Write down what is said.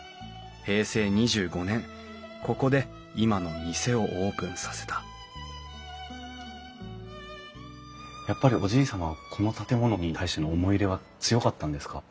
平成２５年ここで今の店をオープンさせたやっぱりおじい様はこの建物に対しての思い入れは強かったんですか？